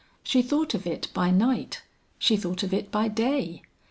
She thought of it by night, she thought of it by day.